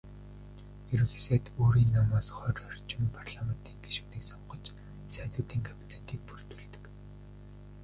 Ерөнхий сайд өөрийн намаас хорь орчим парламентын гишүүнийг сонгож "Сайдуудын кабинет"-ийг бүрдүүлдэг.